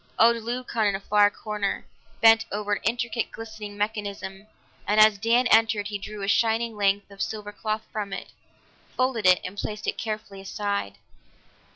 Old Leucon, in a far corner, bent over an intricate, glistening mechanism, and as Dan entered he drew a shining length of silver cloth from it, folded it, and placed it carefully aside.